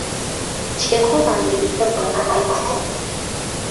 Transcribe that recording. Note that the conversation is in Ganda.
Kireke owandiike buwandiisi.